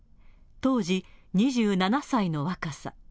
当時、２７歳の若さ。